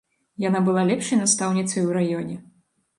Яна была лепшай настаўніцай у раёне.